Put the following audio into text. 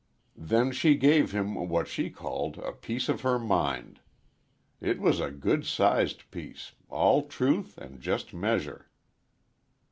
Then she gave him what she called "a piece of her mind." It was a good sized piece, all truth and just measure.